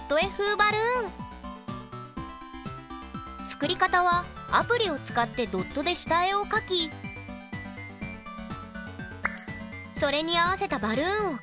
作り方はアプリを使ってドットで下絵を描きそれに合わせたバルーンを組み合わせれば完成！